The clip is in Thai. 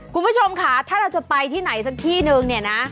คุณผู้ชมค่ะถ้าเราจะไปที่ไหนสักที่นึงเนี่ยนะ